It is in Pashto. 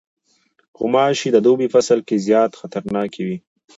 غوماشې د دوبی فصل کې زیاته خطرناکې وي.